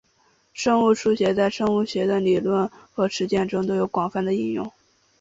生物数学在生物学的理论和实践中都有广泛的应用。